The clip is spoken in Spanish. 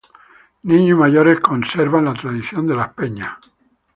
Niños y mayores conservan las tradición de las 'peñas'.